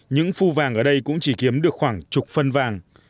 những phu vàng ở đây cũng chỉ kiếm được khoảng chục phân vàng